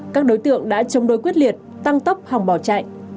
các đối tượng đã chống đối quyết liệt tăng tốc hòng bỏ chạy